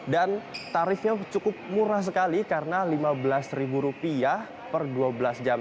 dan tarifnya cukup murah sekali karena rp lima belas per dua belas jam